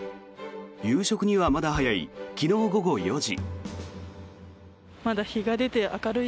夕食にはまだ早い昨日午後４時。